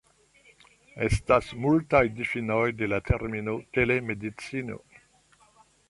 Estas multaj difinoj de la termino "Telemedicino".